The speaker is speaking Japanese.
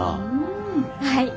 はい。